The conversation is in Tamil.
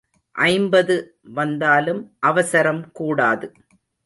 ஐம்பது வந்தாலும் அவசரம் கூடாது.